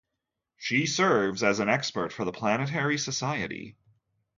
She serves as an expert for The Planetary Society.